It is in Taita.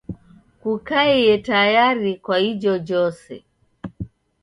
Kukaie tayari kwa ijojose.